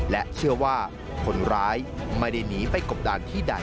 และเชื่อว่าคนร้ายไม่ได้หนีไปกบดานที่ใด